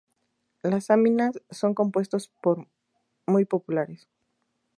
Las aminas son compuestos muy polares.